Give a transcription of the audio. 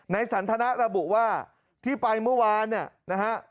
นายสันทนาระบุว่าที่ไปเมื่อวานนะฮะ